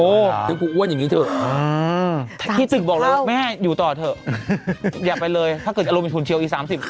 โอ้ถึงกูอ้วนอย่างนี้เถอะถ้าที่ตึกบอกแล้วแม่อยู่ต่อเถอะอย่าไปเลยถ้าเกิดอารมณ์เป็นศูนย์เชียวอีสามสิบ